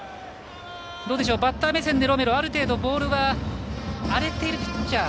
どうでしょうか、バッター目線でロメロ、ある程度は荒れているピッチャー